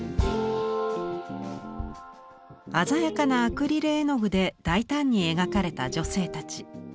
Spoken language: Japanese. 鮮やかなアクリル絵の具で大胆に描かれた女性たち。